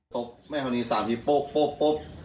ตบแม่ฮานีสามทีปุ๊บปุ๊บปุ๊บ